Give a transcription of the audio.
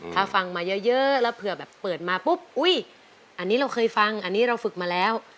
ถ้าฟังมาเยอะแล้วเผื่อแบบเปิดมาปุ๊บอุ๊ยอันนี้เราเคยฟังอันนี้เราฝึกมาแล้ว